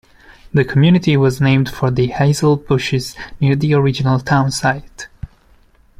The community was named for the hazel bushes near the original town site.